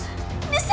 di sana suster